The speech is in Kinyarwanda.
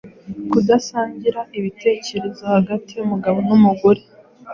Kudasangira ibitekerezo hagati y’umugabo n’umugore